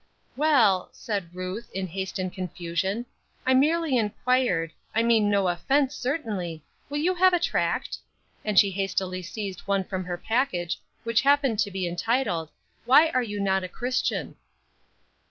"Well," said Ruth, in haste and confusion, "I merely inquired; I mean no offence, certainly; will you have a tract?" And she hastily seized one from her package, which happened to be entitled, "Why are you not a Christian?"